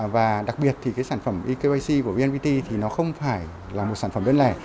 và đặc biệt thì cái sản phẩm ekyc của vnpt thì nó không phải là một sản phẩm đơn lẻ